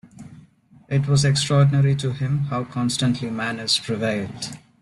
It was extraordinary to him how constantly manners prevailed.